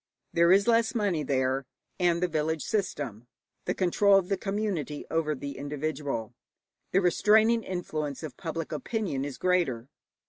There is less money there, and the village system the control of the community over the individual the restraining influence of public opinion is greater.